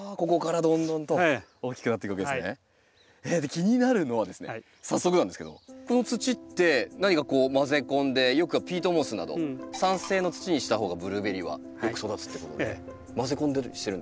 気になるのはですね早速なんですけどこの土って何か混ぜ込んでよくピートモスなど酸性の土にしたほうがブルーベリーはよく育つってことで混ぜ込んだりはしてるんですか？